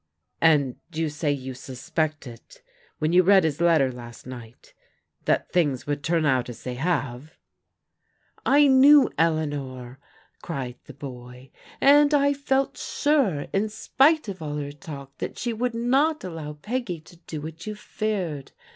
"And you say you suspected, when you read his letter last night, that things would turn out as they have ?"" I knew Eleanor," cried the boy, " and I felt sure in spite of all her talk that she would not allow Peggy to do what you feared.